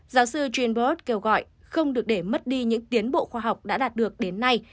giáo sư trinberg kêu gọi không được để mất đi những tiến bộ khoa học đã đạt được đến nay